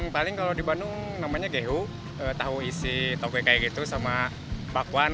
paling kalau di bandung namanya gehu tahu isi tope kayak gitu sama pakuan